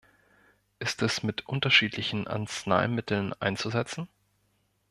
Ist es mit unterschiedlichen Arzneimitteln einzusetzen?